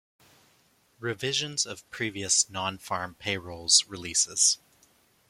Revisions of previous nonfarm payrolls releases.